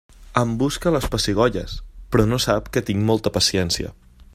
Em busca les pessigolles, però no sap que tinc molta paciència.